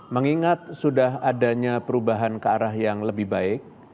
mengingat sudah adanya perubahan ke arah yang lebih baik